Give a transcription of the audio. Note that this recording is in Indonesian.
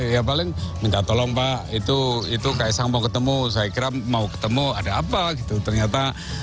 ya paling minta tolong pak itu itu kaisang mau ketemu saya kira mau ketemu ada apa gitu ternyata